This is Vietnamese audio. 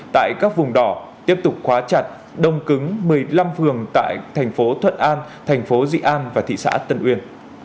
tại các vùng đỏ tiếp tục khóa chặt đông cứng một mươi năm phường tại thành phố thuận an thành phố dị an và thị xã tân uyên